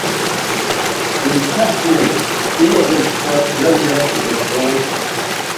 Дынхьаҳәуеит, илаӷырӡқәа иажәа идырҳәом.